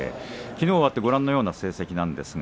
きのう終わってご覧のような成績。